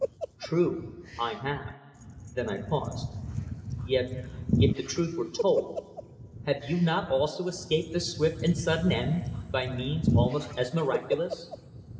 True, I have." Then I paused. "Yet, if the truth were told, have you not also escaped a swift and sudden end by means almost as miraculous?"